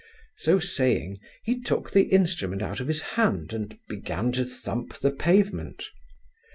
So saying, he took the instrument out of his hand, and began to thump the pavement.